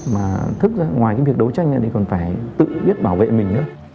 mà thức ra ngoài cái việc đấu tranh thì còn phải tự biết bảo vệ mình nữa